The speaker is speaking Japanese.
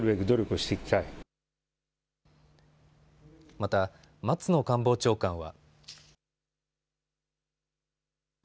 また松野官房長官は。